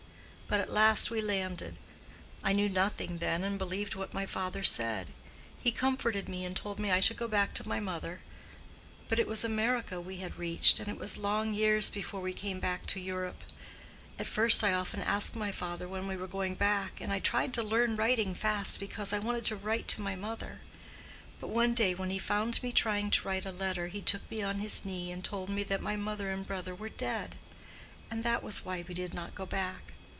But at last we landed. I knew nothing then, and believed what my father said. He comforted me, and told me I should go back to my mother. But it was America we had reached, and it was long years before we came back to Europe. At first I often asked my father when we were going back; and I tried to learn writing fast, because I wanted to write to my mother; but one day when he found me trying to write a letter, he took me on his knee and told me that my mother and brother were dead; that was why we did not go back.